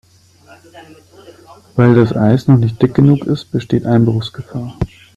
Weil das Eis noch nicht dick genug ist, besteht Einbruchsgefahr.